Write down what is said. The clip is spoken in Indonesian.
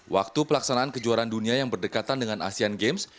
waktu pelaksanaan kejuaraan dunia yang berdekatan dengan asean games